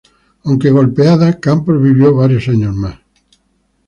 Aunque golpeada, Campos vivió varios años más.